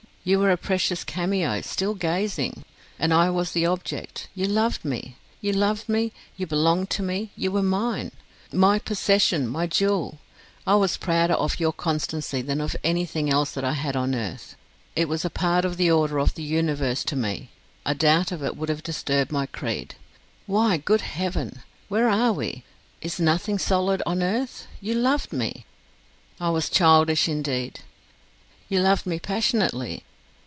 You were a precious cameo, still gazing! And I was the object. You loved me. You loved me, you belonged to me, you were mine, my possession, my jewel; I was prouder of your constancy than of anything else that I had on earth. It was a part of the order of the universe to me. A doubt of it would have disturbed my creed. Why, good heaven! where are we? Is nothing solid on earth? You loved me!" "I was childish, indeed." "You loved me passionately!"